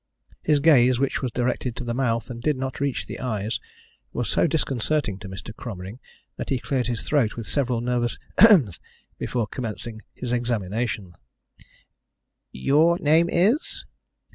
His gaze, which was directed to the mouth and did not reach the eyes, was so disconcerting to Mr. Cromering that he cleared his throat with several nervous "hems" before commencing his examination: "Your name is